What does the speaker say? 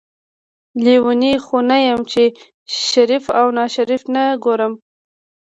لیونۍ خو نه یم چې شریف او ناشریف ته نه ګورم.